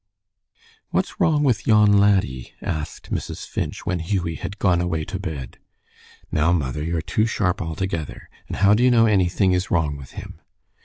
"What's wrong with yon laddie?" asked Mrs. Finch, when Hughie had gone away to bed. "Now, mother, you're too sharp altogether. And how do you know anything is wrong with him?"